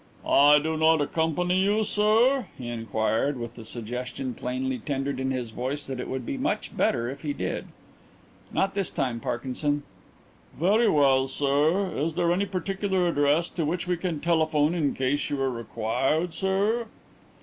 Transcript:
"I do not accompany you, sir?" he inquired, with the suggestion plainly tendered in his voice that it would be much better if he did. "Not this time, Parkinson." "Very well, sir. Is there any particular address to which we can telephone in case you are required, sir?"